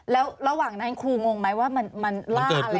แล้วระหว่างนั้นครูงงไหมว่ามันล่าอะไร